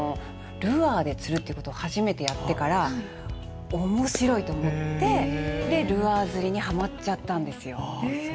ルアーで釣るっていうことを初めてやってから面白いと思ってルアー釣りにハマっちゃったんですよ。